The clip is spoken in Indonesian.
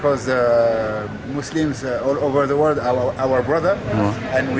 karena muslim di seluruh dunia adalah saudara kami